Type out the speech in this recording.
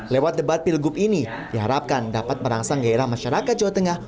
lewat debat pilgub ini diharapkan dapat merangsang gairah masyarakat jawa tengah